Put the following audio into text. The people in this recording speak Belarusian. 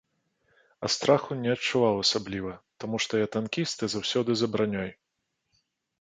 А страху не адчуваў асабліва, таму што я танкіст і заўсёды за бранёй.